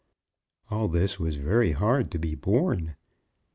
All this was very hard to be borne.